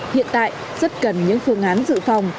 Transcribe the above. hiện tại rất cần những phương án dự phòng